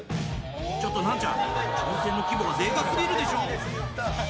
ちょっとナンチャン、挑戦の規模がでかすぎるでしょ。